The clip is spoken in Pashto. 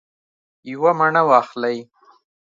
یوه مڼه واخلئ